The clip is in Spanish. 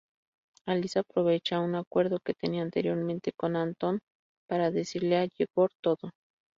Alisa aprovecha un acuerdo que tenía anteriormente con Antón para decirle a Yegor todo.